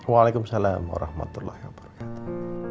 waalaikumsalam warahmatullahi wabarakatuh